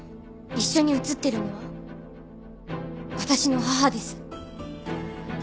一緒に写ってるのは私の母です。